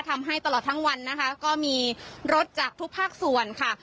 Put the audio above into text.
ทำให้ตลอดทั้งวันนะคะก็มีรถจากทุกภาคส่วนค่ะ